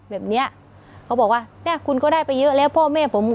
แบบเนี้ยเขาบอกว่าเนี่ยคุณก็ได้ไปเยอะแล้วพ่อแม่ผม